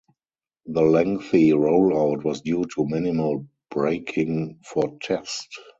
The lengthy rollout was due to minimal braking for test.